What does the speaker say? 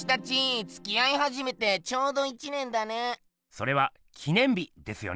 それは「記念日」ですよね。